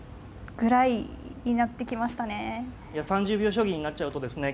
いや３０秒将棋になっちゃうとですね